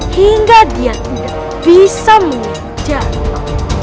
hingga dia tidak bisa mengejar